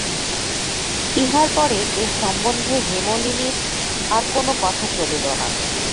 ইহার পরে এ সম্বন্ধে হেমনলিনীর আর কোনো কথা চলিল না।